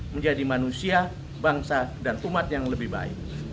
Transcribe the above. menjadi manusia bangsa dan umat yang lebih baik